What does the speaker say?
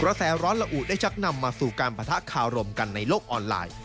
แสร้อนละอุได้ชักนำมาสู่การปะทะคารมกันในโลกออนไลน์